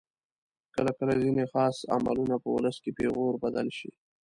کله کله ځینې خاص عملونه په ولس کې پیغور بدل شي.